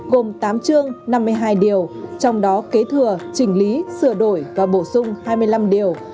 gồm tám chương năm mươi hai điều trong đó kế thừa chỉnh lý sửa đổi và bổ sung hai mươi năm điều